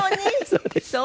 そうですか。